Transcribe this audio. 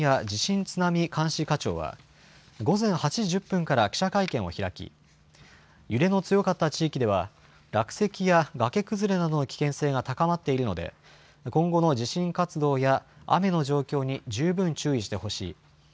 地震津波監視課長は、午前８時１０分から記者会見を開き、揺れの強かった地域では、落石や崖崩れなどの危険性が高まっているので、今後の地震活動や雨の状況に十分注意してほしい。